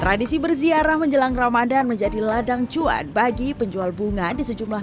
tradisi berziarah menjelang ramadhan menjadi ladang cuan bagi penjual bunga di sejumlah